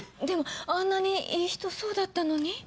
でもあんなにいい人そうだったのに？